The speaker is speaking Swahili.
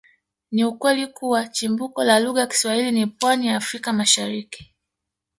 Ni ukweli kuwa chimbuko la lugha ya Kiswahili ni pwani ya Afrika Mashariki